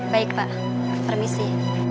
baik pak permisi